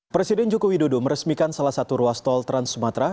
presiden joko widodo meresmikan salah satu ruas tol trans sumatera